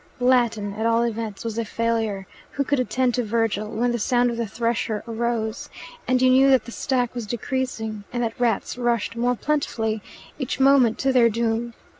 Latin, at all events, was a failure: who could attend to Virgil when the sound of the thresher arose, and you knew that the stack was decreasing and that rats rushed more plentifully each moment to their doom?